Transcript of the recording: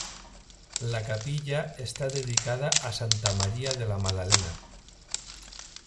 La capilla está dedicada a santa María de La Madalena.